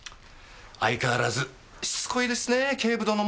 相変わらずしつこいですね警部殿も。